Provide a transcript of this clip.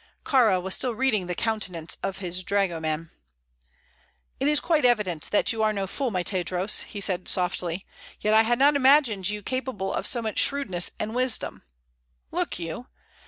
Kāra was still reading the countenance of his dragoman. "It is quite evident that you are no fool, my Tadros," he said, softly; "yet I had not imagined you capable of so much shrewdness and wisdom. Look you!